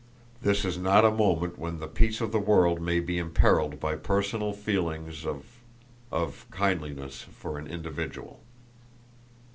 This is not a moment when the peace of the world may be imperiled by personal feelings of of kindliness for an individual."